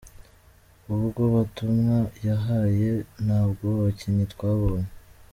Ubwo butumwa yabahaye ntabwo abakinnyi twabonye.